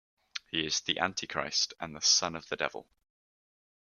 He is the Antichrist and the son of the Devil.